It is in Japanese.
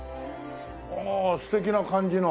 ああ素敵な感じの。